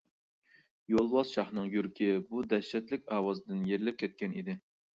يولۋاس شاھنىڭ يۈرىكى بۇ دەھشەتلىك ئاۋازدىن يېرىلىپ كەتكەن ئىدى.